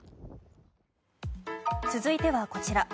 続いては、こちら。